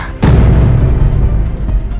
kenapa bukan elsa